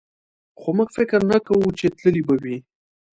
خو موږ فکر نه کوو چې تللی به وي.